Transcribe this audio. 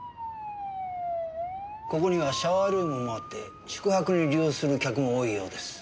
ここにはシャワールームもあって宿泊に利用する客も多いようです。